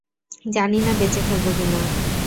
জানি না বেঁচে ফিরব কি না।